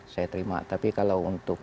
saya terima tapi kalau untuk